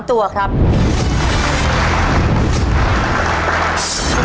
ตัวเลือกที่๑๓ตัวครับ